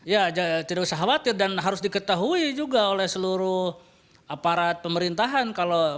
ya tidak usah khawatir dan harus diketahui juga oleh seluruh aparat pemerintahan